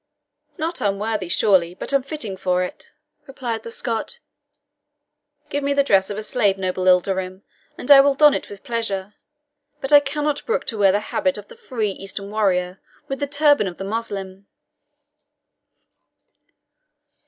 "Not unworthy, surely, but unfitting for it," replied the Scot. "Give me the dress of a slave, noble Ilderim, and I will don it with pleasure; but I cannot brook to wear the habit of the free Eastern warrior with the turban of the Moslem."